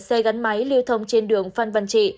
xe gắn máy lưu thông trên đường phan văn trị